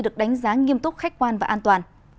được đánh giá nghiêm túc khách quan và an toàn